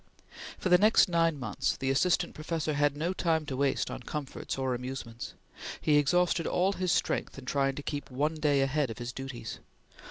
For the next nine months the Assistant Professor had no time to waste on comforts or amusements. He exhausted all his strength in trying to keep one day ahead of his duties.